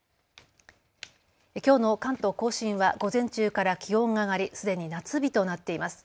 きょうの関東甲信は午前中から気温が上がりすでに夏日となっています。